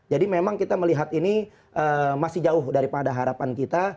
jadi memang kita melihat ini masih jauh daripada harapan kita